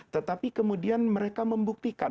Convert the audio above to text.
tetapi kemudian mereka membuktikan